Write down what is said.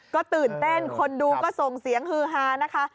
ก็ตื่นเต้นคนดูก็ส่งเสียงฮือฮานะคะ